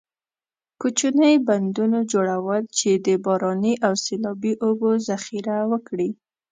کوچنۍ بندونو جوړول چې د باراني او سیلابي اوبو ذخیره وکړي.